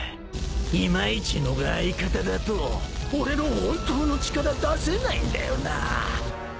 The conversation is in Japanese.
いまいちのが相方だと俺の本当の力出せないんだよな